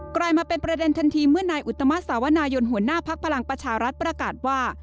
กลายมาเป็นประเด็นทันทีเมื่อนายอุตมะสาวนายนหัวหน้าพักพลังประชารัฐประกาศว่า